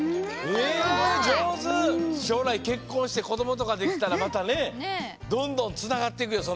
しょうらいけっこんしてこどもとかできたらまたねどんどんつながっていくよそのことが。